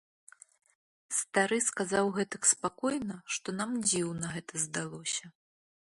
Стары сказаў гэтак спакойна, што нам дзіўна гэта здалося.